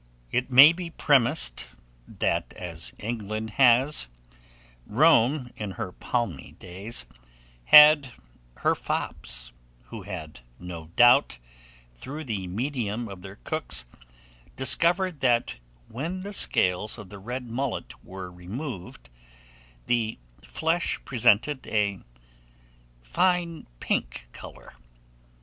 It may be premised, that as England has, Rome, in her palmy days, had, her fops, who had, no doubt, through the medium of their cooks, discovered that when the scales of the red mullet were removed, the flesh presented a fine pink colour.